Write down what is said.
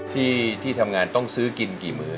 ที่ทำงานต้องซื้อกินกี่มือ